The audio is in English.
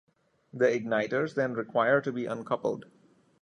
The igniters then require to be uncoupled.